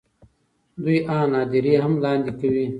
دوی آن هدیرې هم لاندې کوي.